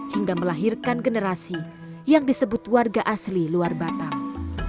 hingga melahirkan generasi yang disebut warga asli luar batang